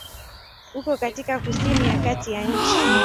Uko katika kusini ya kati ya nchi.